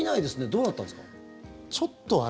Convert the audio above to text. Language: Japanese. どうなったんですか？